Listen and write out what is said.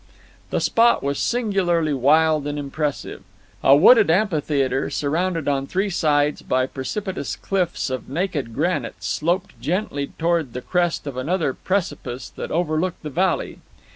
The spot was singularly wild and impressive. A wooded amphitheater, surrounded on three sides by precipitous cliffs of naked granite, sloped gently toward the crest of another precipice that overlooked the valley.